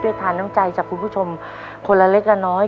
ด้วยทานต้องใจจากคุณผู้ชมคนละเล็กกันน้อย